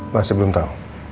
masih belum tau